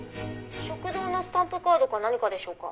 「食堂のスタンプカードか何かでしょうか？」